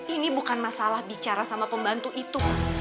ini bukan masalah bicara sama pembantu itu